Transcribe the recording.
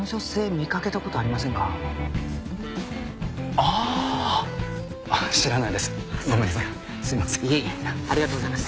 ありがとうございます。